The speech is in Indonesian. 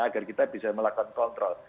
agar kita bisa melakukan kontrol